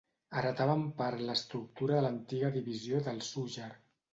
Heretava en part l'estructura de l'antiga Divisió del Zújar.